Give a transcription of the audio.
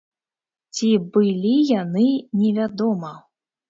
Ці былі яны, невядома.